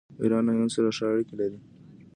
ایران له هند سره ښه اړیکې لري.